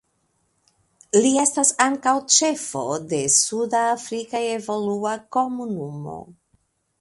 Li estas ankaŭ ĉefo de Suda Afrika Evolua Komunumo.